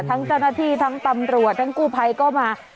ทั้งเจ้าหน้าที่ทั้งตำรวจทั้งกู้ภัยก็มา